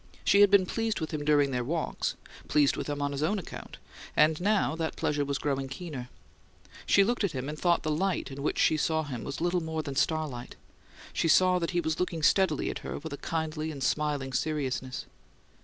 She had been pleased with him during their walk; pleased with him on his own account; and now that pleasure was growing keener. She looked at him, and though the light in which she saw him was little more than starlight, she saw that he was looking steadily at her with a kindly and smiling seriousness.